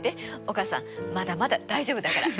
お母さんまだまだ大丈夫だから。